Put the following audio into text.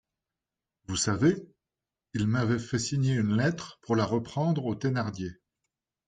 Vous savez ? il m'avait fait signer une lettre pour la reprendre aux Thénardier.